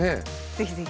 ぜひぜひ。